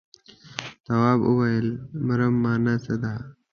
تواب وويل: مرم مانا څه ده.